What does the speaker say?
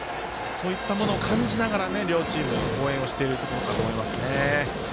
そういったものを感じながら両チーム、応援をしていることかと思いますね。